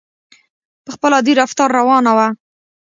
په خپل عادي رفتار روانه وه.